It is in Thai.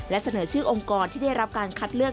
และเสนอชื่อองค์กรที่ได้รับการคัดเลือก